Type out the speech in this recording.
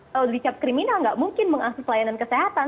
kalau dicap kriminal tidak mungkin mengakses layanan kesehatan